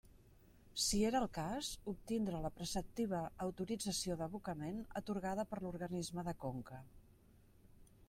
Si era el cas, obtindre la preceptiva autorització d'abocament atorgada per l'organisme de conca.